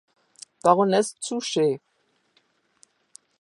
Baroness Zouche.